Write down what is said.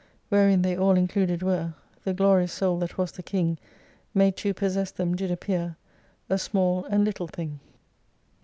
Wherein they all included were The glorious soul that was the king Made to possess them, did appear A small and little thing